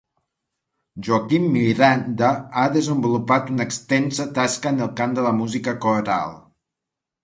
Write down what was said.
Joaquim Miranda ha desenvolupat una extensa tasca en el camp de la música coral.